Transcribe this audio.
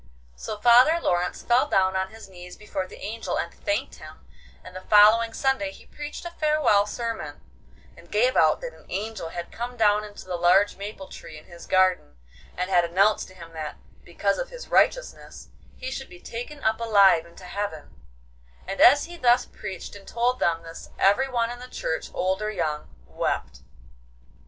So Father Lawrence fell down on his knees before the angel and thanked him, and the following Sunday he preached a farewell sermon, and gave out that an angel had come down into the large maple tree in his garden, and had announced to him that, because of his righteousness, he should be taken up alive into heaven, and as he thus preached and told them this everyone in the church, old or young, wept.